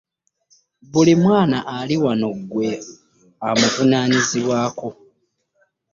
Buli mwana ali wano gwe amuvunanyizibwako.